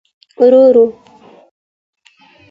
ورور